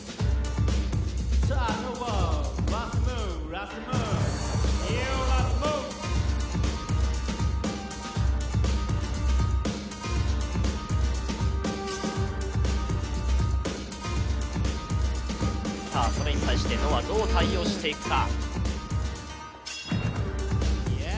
さあ、それに対してＮｏａどう対応していくか。